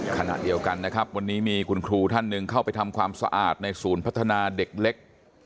ขณะเดียวกันนะครับวันนี้มีคุณครูท่านหนึ่งเข้าไปทำความสะอาดในศูนย์พัฒนาเด็กเล็ก